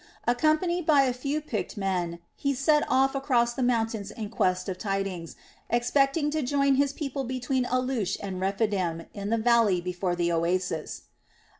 Accompanied by a few picked men he set off across the mountains in quest of tidings, expecting to join his people between Alush and Rephidim in the valley before the oasis.